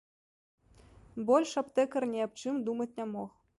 Больш аптэкар ні аб чым думаць не мог.